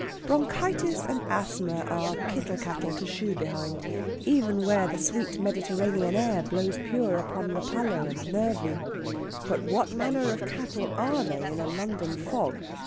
Bronchitis and asthma are kittle cattle to shoe behind, even where the sweet Mediterranean air blows pure upon Rapallo and Nervi, but what manner of cattle are they in a London fog?